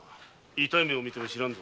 痛い目をみても知らんぞ。